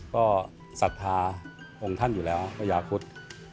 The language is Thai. ก็ศรัทธาองค์ท่านอยู่แล้วพญาคต